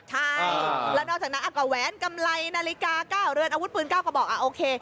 ใช่แล้วนอกจากนั้นก็แหวนกำไรนาฬิกา๙เรือนอาวุธปืน๙กระบอกโอเค